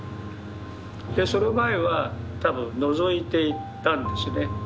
その前は多分のぞいていたんですね。